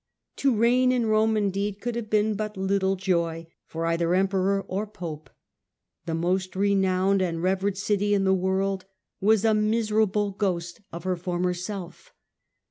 To reign in Rome, indeed, could have been but little joy for either emperor or pope. The most renowned and revered city in the world was a miserable ghost of her former self.